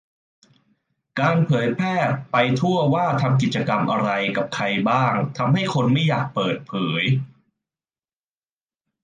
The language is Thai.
การเผยแพร่ไปทั่วว่าทำกิจกรรมอะไรกับใครบ้าง ทำให้คนไม่อยากเปิดเผย